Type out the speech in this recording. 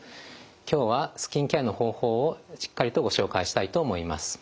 今日はスキンケアの方法をしっかりとご紹介したいと思います。